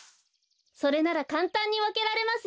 それならかんたんにわけられますよ。